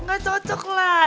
nggak cocok lah